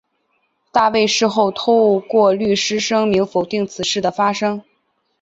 大卫事后透过律师声明否定此事的发生。